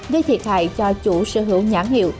gây thiệt hại cho chủ sở hữu nhãn hiệu